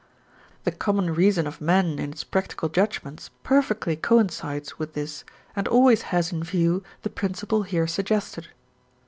The common reason of men in its practical judgements perfectly coincides with this and always has in view the principle here suggested.